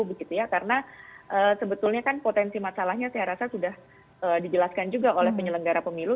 begitu ya karena sebetulnya kan potensi masalahnya saya rasa sudah dijelaskan juga oleh penyelenggara pemilu